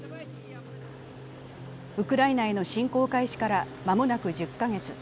ウクライナへの侵攻開始から間もなく１０か月。